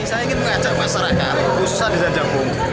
saya ingin mengajak masyarakat khususnya desa jabung